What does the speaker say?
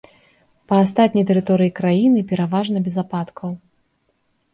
Па астатняй тэрыторыі краіны пераважна без ападкаў.